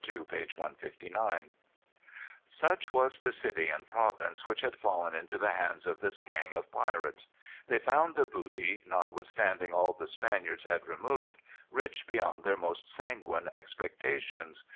ii. p. 159.] Such was the city and province which had fallen into the hands of this gang of pirates. They found the booty, notwithstanding all the Spaniards had removed, rich beyond their most sanguine expectations.